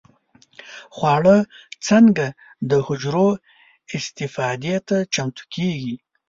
خواړه څنګه د حجرو استفادې ته چمتو کېږي؟